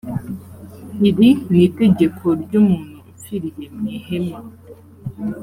iri ni itegeko ry umuntu upfiriye mu ihema